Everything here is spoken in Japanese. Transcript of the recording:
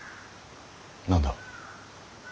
何だ。